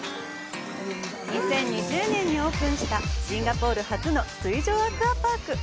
２０２０年にオープンしたシンガポール初の水上アクアパーク。